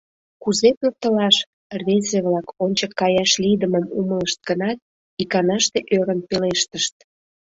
— Кузе пӧртылаш? — рвезе-влак, ончык каяш лийдымым умылышт гынат, иканаште ӧрын пелештышт.